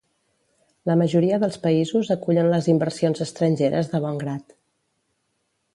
La majoria dels països acullen les inversions estrangeres de bon grat.